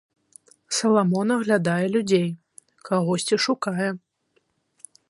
Саламон аглядае людзей, кагосьці шукае.